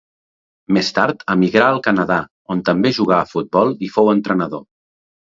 Més tard emigrà al Canadà on també jugà a futbol i fou entrenador.